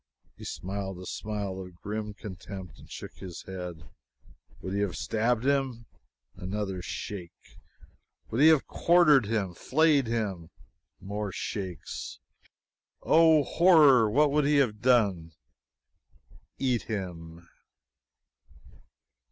He smiled a smile of grim contempt and shook his head. Would he have stabbed him? Another shake. Would he have quartered him flayed him? More shakes. Oh! horror what would he have done? "Eat him!"